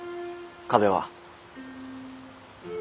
壁は。